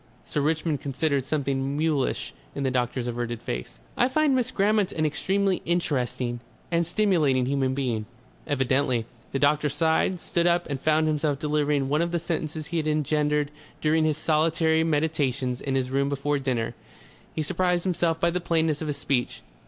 Sir Richmond considered something mulish in the doctor's averted face. "I find Miss Grammont an extremely interesting and stimulating human being. "Evidently." The doctor sighed, stood up and found himself delivering one of the sentences he had engendered during his solitary meditations in his room before dinner. He surprised himself by the plainness of his speech.